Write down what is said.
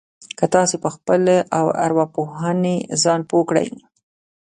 که تاسې په خپلې ارواپوهنې ځان پوه کړئ.